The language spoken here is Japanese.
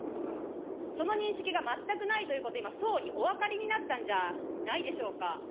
その認識が全くないということを今、総理、お分かりになったんじゃないでしょうか。